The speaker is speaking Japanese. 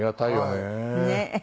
ねえ。